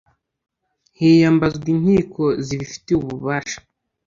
hiyambazwa Inkiko zibifitiye ububasha